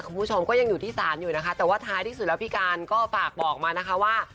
คุณผู้ชมก็ยังอยู่ที่ศาลอยู่นะคะแต่ว่าท้ายที่สุดแล้วพี่การก็ฝากบอกมานะคะว่า